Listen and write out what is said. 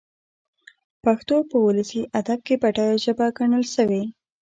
پښتو په اولسي ادب کښي بډايه ژبه ګڼل سوې.